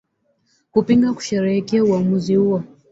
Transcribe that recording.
kupinga au kusherehekea uwamuzi huo